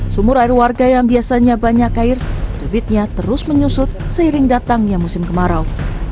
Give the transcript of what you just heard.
sumur air warga yang biasanya banyak air debitnya terus menyusut seiring datangnya musim kemarau